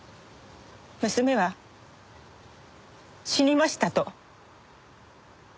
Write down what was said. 娘は死にましたと。